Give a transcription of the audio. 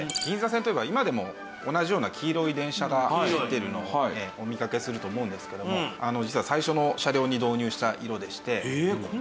銀座線といえば今でも同じような黄色い電車が走ってるのをお見かけすると思うんですけども実は最初の車両に導入した色でして。